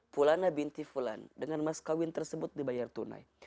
pulana binti fullan dengan mas kawin tersebut dibayar tunai